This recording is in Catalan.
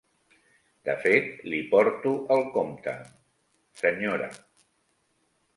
De fet li porto el compte, senyora.